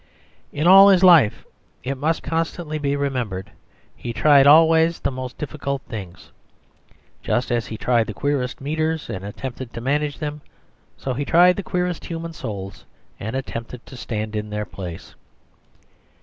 In all his life, it must constantly be remembered, he tried always the most difficult things. Just as he tried the queerest metres and attempted to manage them, so he tried the queerest human souls and attempted to stand in their place.